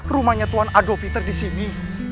rumahnya tuhan adolf hitler disini